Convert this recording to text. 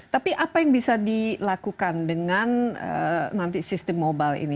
tapi apa yang bisa dilakukan dengan nanti sistem mobile ini